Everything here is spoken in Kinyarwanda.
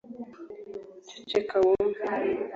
ceceka wumve